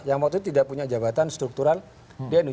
yang waktu itu tidak punya jabatan struktural di nu